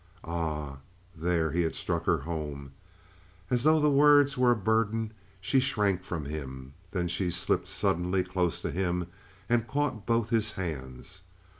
Ah, there he had struck her home! As though the words were a burden, she shrank from him; then she slipped suddenly close to him and caught both his hands.